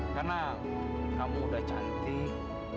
karena kamu udah cantik